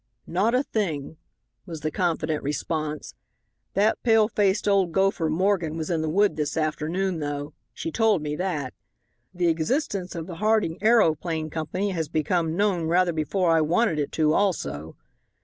"Not a thing," was the confident response. "That pale faced old gopher, Morgan, was in the wood this afternoon, though. She told me that. The existence of the Harding Aeroplane Company has become known rather before I wanted it to, also.